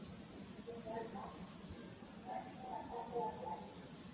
Blas Parera; Chaco; Av.